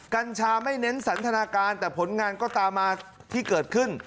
กัญชาไม่เน้นสันทนาการแต่ผลงานก็ตามมาที่เกิดขึ้น